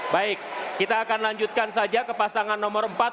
baik kita akan lanjutkan saja ke pasangan nomor empat